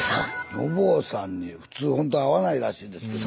のぼうさんに普通ほんと会わないらしいですけど。